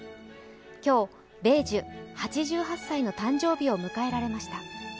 今日米寿、８８歳の誕生日を迎えられました。